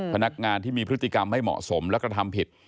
พนักงานที่มีพฤติกรรมไม่เหมาะสมและกระทำผิด